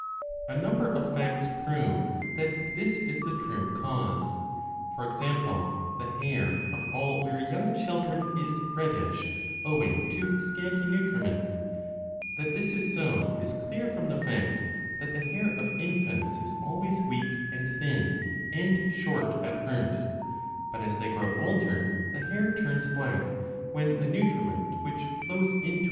A number of facts prove that this is the true cause. For example, the hair of all very young children is reddish owing to scanty nutriment ; that this is so is 35 clear from the fact that the hair of infants is always weak and thin and short at first ; but as they grow older, the hair turns black, when the nutriment which flows into it 1 797 b 4.